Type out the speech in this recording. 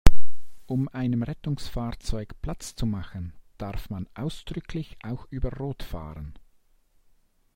Um einem Rettungsfahrzeug Platz zu machen, darf man ausdrücklich auch über Rot fahren.